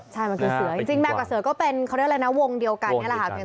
ใช่มันคือเสือจริงแมวกับเสือก็เป็นเขาเรียกว่าวงเดียวกัน